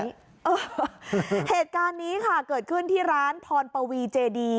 เหตุการณ์นี้ค่ะเกิดขึ้นที่ร้านพรปวีเจดี